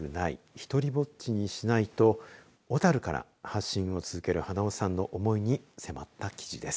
１人ぼっちにしないと小樽から発信を続ける花男さんの思いに迫った記事です。